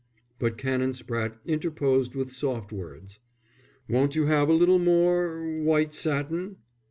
But Canon Spratte interposed with soft words. "Won't you have a little more white satin?"